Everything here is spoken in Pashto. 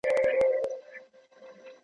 زما یې له محفل سره یوه شپه را لیکلې ده ,